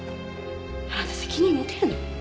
あなた責任持てるの？